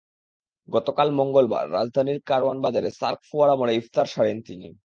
গতকাল মঙ্গলবার রাজধানীর কারওয়ান বাজারে সার্ক ফোয়ারা মোড়ে ইফতার সারেন তিনি।